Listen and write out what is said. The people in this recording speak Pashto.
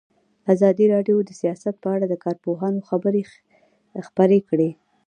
ازادي راډیو د سیاست په اړه د کارپوهانو خبرې خپرې کړي.